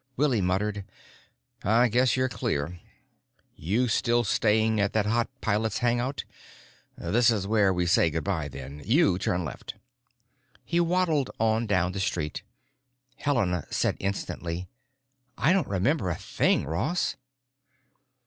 Willie muttered, "I guess you're clear. You still staying at that hot pilot's hangout? This is where we say good by, then. You turn left." He waddled on down the street. Helena said instantly, "I don't remember a thing, Ross."